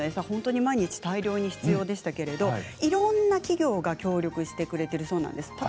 本当に毎日大量に必要でしたけれどもいろいろな企業が協力してくれているそうです。